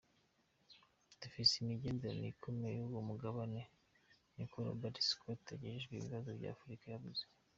"Dufise imigenderanire ikomeye n'uwo mugabane," niko Robert Scott, ajejwe ibibazo vya Afrika yavuze.